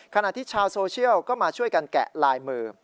ขณะที่ชาวโซเชียลก็มาช่วยกันแกะลายมือ